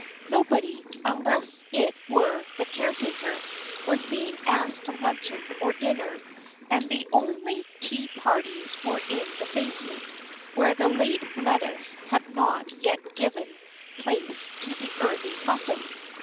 Nobody, unless it were the caretaker, was being asked to luncheon or dinner, and the only tea parties were in the basement, where the late lettuce had not yet given place to the early muffin.